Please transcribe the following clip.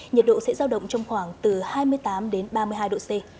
nhiệt độ sẽ giao động trong khoảng từ hai mươi tám đến ba mươi hai độ c